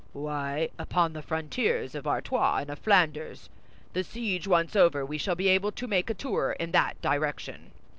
"Why, upon the frontiers of Artois and of Flanders. The siege once over, we shall be able to make a tour in that direction."